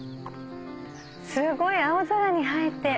すごい青空に映えて。